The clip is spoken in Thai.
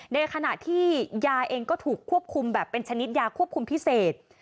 ในขณะที่ยาเองก็ถูกควบคุมแบบเป็นชนิดยาควบคุมพิเศษ